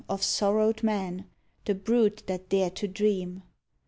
Of sorrowed man, the brute that dared to dream.